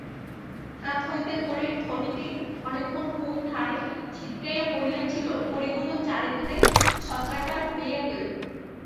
হাত হইতে কড়ির থলিটি অনেকক্ষণ কোন ধারে ছিটকাইয়া পড়িয়াছিল-কড়িগুলি চারিধারে ছত্রাকার হইয়া গেল।